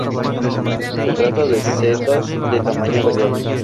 Se trata de setas de tamaño variable.